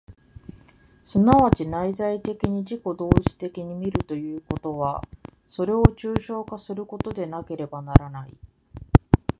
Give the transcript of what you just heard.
即ち内在的に自己同一的に見るということは、それを抽象化することでなければならない。